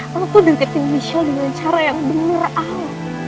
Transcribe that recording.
lo tuh dendamin michelle dengan cara yang bener el